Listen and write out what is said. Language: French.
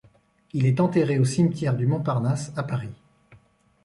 Il est enterré au cimetière du Montparnasse, à Paris.